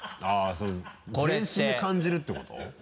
あぁそういう全身で感じるってこと？